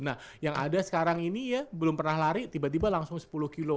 nah yang ada sekarang ini ya belum pernah lari tiba tiba langsung sepuluh kilo